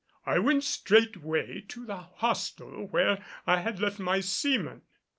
I went straightway to the hostel where I had left my seamen.